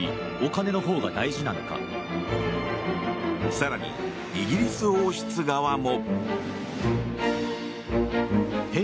更にイギリス王室側も。